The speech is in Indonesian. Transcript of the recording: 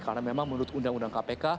karena memang menurut undang undang kpk